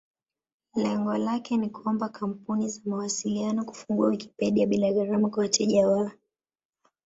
Lengo lake ni kuomba kampuni za mawasiliano kufungua Wikipedia bila gharama kwa wateja wao.